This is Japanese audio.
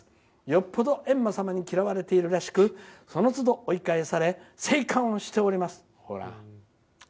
よっぽどえんま様に嫌われているらしく、そのつど追い返され生還をしております」。